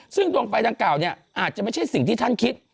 ซึ่งดวงไฟดังกล่าวเนี่ยอาจจะไม่ใช่สิ่งที่ท่านคิด